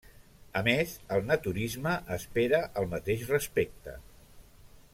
A més el naturisme espera el mateix respecte.